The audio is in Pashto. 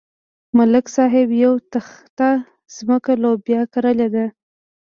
ملک صاحب یوه تخته ځمکه لوبیا کرلې ده.